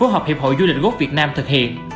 hiệp hội du lịch góp việt nam thực hiện